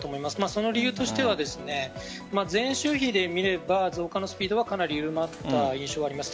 その理由としては前週比で見れば増加のスピードはかなり緩まった印象があります。